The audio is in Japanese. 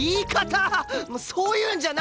そういうんじゃないから！